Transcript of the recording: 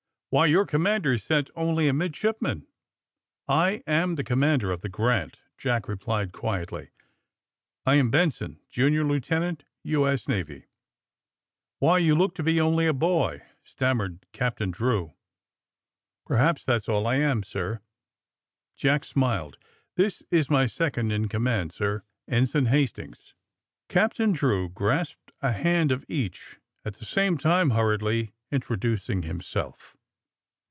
'^Why, yonr commander sent only a midshipman. " *'I am the commander of the * Grant/ " Jack replied qnietly. *'I am Benson, junior lieuten ant, U. S. Navy." *^Why, yon look to be only a boy," stam mered Captain Drew. ^^Perhaps that's all I am, sir," Jack smiled, *'This is my second in command, sir. Ensign Hastings," Captain Drew grasped a hand of each, at the same time hurriedly introducing himself.